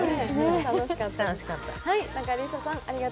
楽しかったです。